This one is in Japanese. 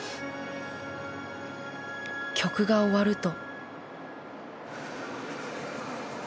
曲が終わると。